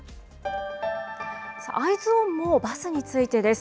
Ｅｙｅｓｏｎもバスについてです。